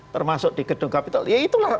termasuk di gedung kapital ya itulah